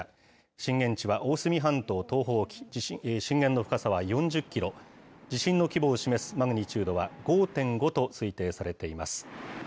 震源地は大隅半島東方沖、震源の深さは４０キロ、地震の規模を示すマグニチュードは５．５と推定されています。